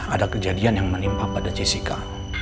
ada kejadian yang menimpa pada jessica